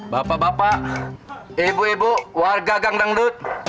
bapak bapak ibu ibu warga gangdang lut